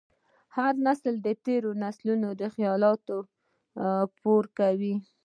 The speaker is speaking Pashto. هر نسل د تېر نسل خیالونه پوره کوي.